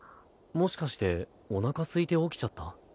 もしかしておなかすいて起きちゃった？